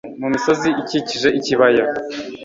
mu misozi ikikije ikibaya